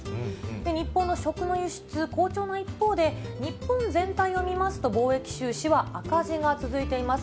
日本の食の輸出、好調な一方で、日本全体を見ますと、貿易収支は赤字が続いています。